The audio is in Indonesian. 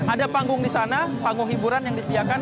ada panggung di sana panggung hiburan yang disediakan